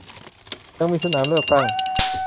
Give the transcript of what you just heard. ยังมีสนามเลือกตั้ง